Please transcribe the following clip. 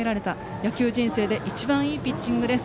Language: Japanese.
野球人生で一番いいピッチングです。